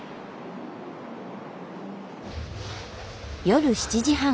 夜７時半。